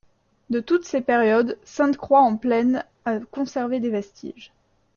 De toutes ces périodes, Sainte-Croix-en-Plaine a conservé des vestiges.